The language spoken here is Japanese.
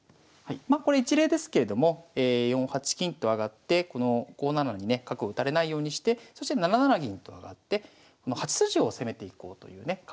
まあこれ一例ですけれども４八金と上がってこの５七にね角を打たれないようにしてそして７七銀と上がって８筋を攻めていこうというね